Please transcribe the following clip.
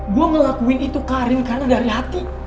gue ngelakuin itu ke arim karena dari hati